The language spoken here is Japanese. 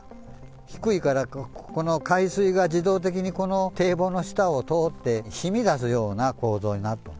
低いから、この海水が自動的にこの堤防の下を通って、しみだすような構造になってる。